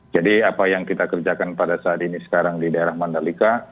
jadi apa yang kita kerjakan pada saat ini sekarang di daerah mandalika